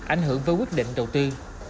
ảnh hưởng với quyết định đầu tư